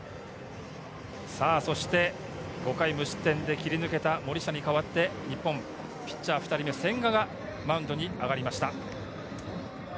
そして５回、無失点で切り抜けた森下に代わって、日本ピッチャー２人目、千賀がマウンドに上がりました。